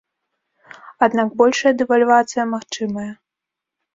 Аднак большая дэвальвацыя магчымая.